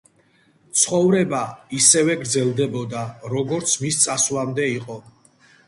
ცხოვრება ისევე გრძელდება როგორც მის წასვლამდე იყო.